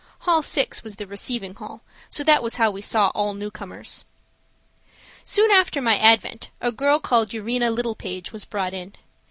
Hall 6 was the receiving hall, so that was how we saw all newcomers. Soon after my advent a girl called Urena Little Page was brought in.